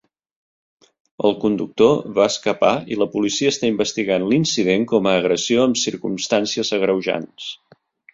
El conductor va escapar i la policia està investigant l'incident com a agressió amb circumstàncies agreujants.